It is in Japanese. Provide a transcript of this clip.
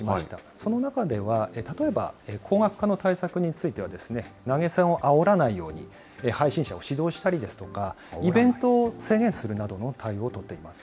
その中では、例えば高額化の対策については、投げ銭をあおらないように配信者を指導したりですとか、イベントを制限するなどの対応を取っています。